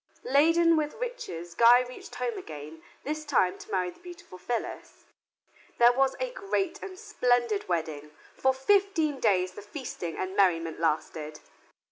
Laden with riches, Guy reached home again, this time to marry the beautiful Phyllis. There was a great and splendid wedding. For fifteen days the feasting and merriment lasted.